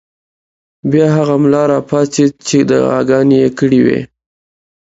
بیا هغه ملا راپاڅېد چې دعاګانې یې کړې وې.